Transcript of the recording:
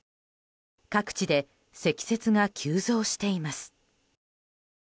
各地で積雪が急増しています。